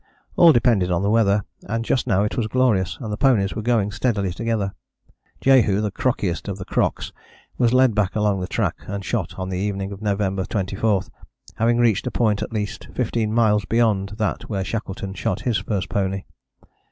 All depended on the weather, and just now it was glorious, and the ponies were going steadily together. Jehu, the crockiest of the crocks, was led back along the track and shot on the evening of November 24, having reached a point at least 15 miles beyond that where Shackleton shot his first pony.